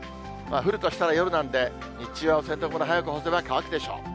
降るとしたら夜なんで、日中は洗濯物を早く干せば乾くでしょう。